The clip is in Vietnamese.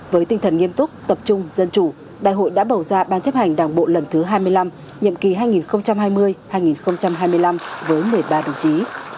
với tinh thần nghiêm túc tập trung dân chủ đại hội đã bầu ra ban chấp hành đảng bộ lần thứ hai mươi năm nhiệm kỳ hai nghìn hai mươi hai nghìn hai mươi năm với một mươi ba đồng chí